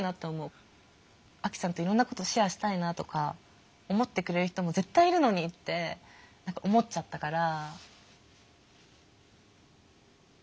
アキさんといろんなことシェアしたいなとか思ってくれる人も絶対いるのにって思っちゃったから。